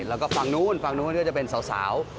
แล้วก็ฝั่งนู้นฝั่งนู้นก็จะเป็นสาว